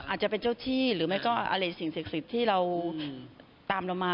อาจจะเป็นเจ้าที่หรือไม่ก็อะไรสิ่งศักดิ์สิทธิ์ที่เราตามเรามา